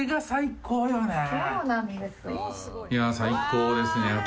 最高ですね。